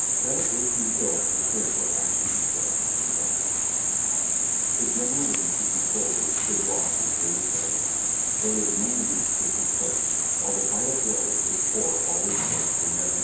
"Tell A. P. Hill to prepare for action," he said, and died. To General Lee and his soldiers his loss was irreparable ; there was no man to take his place, while the vital blows his corps al ways struck were never made again.